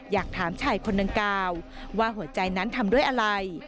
อยากถามชายคนดังกล่าวว่าหัวใจนั้นทำด้วยอะไร